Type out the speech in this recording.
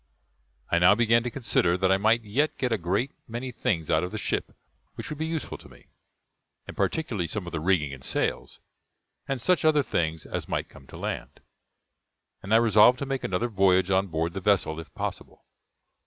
I now began to consider that I might yet get a great many things out of the ship which would be useful to me, and particularly some of the rigging and sails, and such other things as might come to land; and I resolved to make another voyage on board the vessel, if possible.